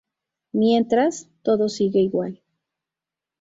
Mientras, todo sigue igual...